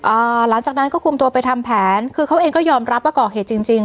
อ่าหลังจากนั้นก็คุมตัวไปทำแผนคือเขาเองก็ยอมรับว่าก่อเหตุจริงจริง